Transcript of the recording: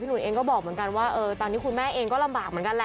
พี่หนุ่มเองก็บอกว่าตอนนี้คุณแม่ก็ลำบากเหมือนกัน